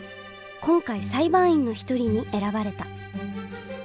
今回裁判員の一人に選ばれた。